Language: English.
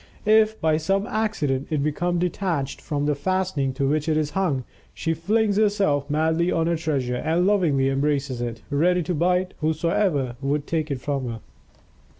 If, by some accident, it become detached from the fastening to which it is hung, she flings herself madly on her treasure and lovingly embraces it, ready to bite whoso would take it from her.